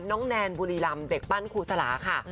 น้องแนนบุรีรำเด็กบ้านครูสลาค่ะ